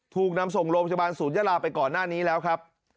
ถูกนำส่งโรงพยาบาลศูนยาลาไปก่อนหน้านี้แล้วครับ